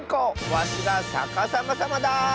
わしがさかさまさまだ！